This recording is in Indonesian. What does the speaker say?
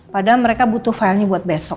padahal mereka butuh filenya buat besok